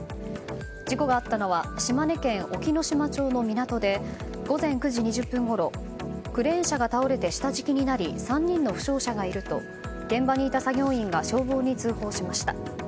事故があったのは島根県隠岐の島町の港で午前９時２０分ごろクレーンが倒れて下敷きになり３人の負傷者がいると現場にいた作業員が消防に通報しました。